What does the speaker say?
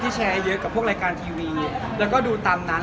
แชร์เยอะกับพวกรายการทีวีแล้วก็ดูตามนั้น